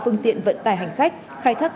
phương tiện vận tài hành khách khai thác